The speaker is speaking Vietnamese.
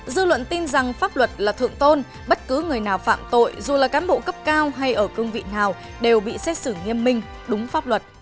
dư luận tin rằng pháp luật là thượng tôn bất cứ người nào phạm tội dù là cán bộ cấp cao hay ở cương vị nào đều bị xét xử nghiêm minh đúng pháp luật